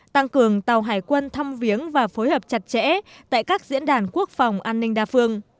tăng cường tàu hải quân thăm viếng và phối hợp chặt chẽ tại các diễn đàn quốc phòng an ninh đa phương